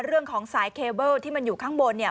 เรื่องของสายเคเบิลที่มันอยู่ข้างบนเนี่ย